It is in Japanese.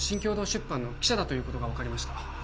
出版の記者だということが分かりました